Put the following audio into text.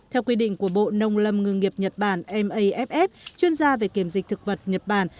theo quy định của bộ nông lâm ngư nghiệp nhật bản maff chuyên gia về kiểm dịch thực vật nhật bản